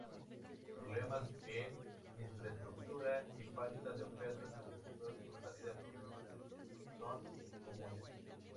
Problemas en infraestructura y falta de ofertas educativas con salida profesional son comunes.